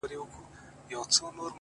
• پټ کي څرگند دی،